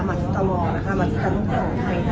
มาทที่ตะลองนะคะมาทที่ตางด้มเต้นของไทยนะคะ